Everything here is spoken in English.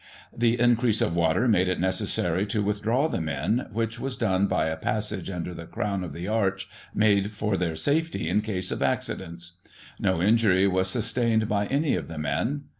The increase of water made it necessary to withdraw the men, which was done by a passage under the crown of the arch, made for their safety in case of accidents. No injury was sustained by any of the men.